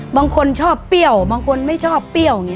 บางคนชอบเปรี้ยวบางคนไม่ชอบเปรี้ยวอย่างนี้